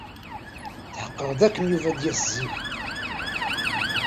Tḥeqqeɣ dakken Yuba ad d-yas zik.